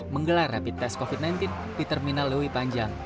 menggelar rapid test covid sembilan belas di terminal lewi panjang